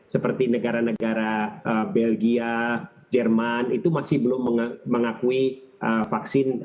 seperti negara negara belgia jerman itu masih belum mengakui vaksin sinovac dan sinopharm